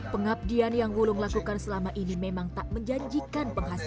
pengabdian yang wulung lakukan selama ini memang tak menjanjikan penghasilan